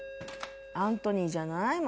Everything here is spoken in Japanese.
アントニーじゃない？